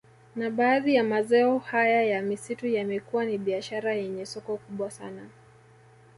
Na baadhi ya mazao haya ya misitu yamekuwa ni biashara yenye soko kubwa sana